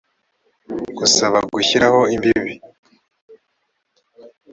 gusaba gushyiraho imbibi